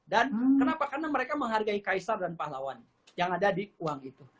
dan kenapa karena mereka menghargai kaisar dan pahlawan yang ada di uang itu